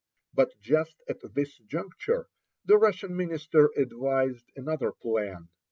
But just at this juncture the Russian minister advised another plan.